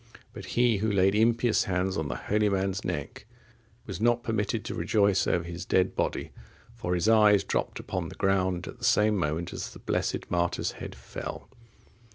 But he who laid impious hands on the holy man's neck was not permitted to rejoice over his dead body; for his eyes dropped upon the ground at the same moment as the blessed martyr's head fell.